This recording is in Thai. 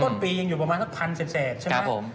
ต้นปียังอยู่ประมาณ๑๐๐๐เสร็จใช่ไหม